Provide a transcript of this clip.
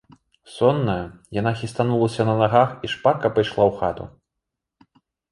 Сонная, яна хістанулася на нагах і шпарка пайшла ў хату.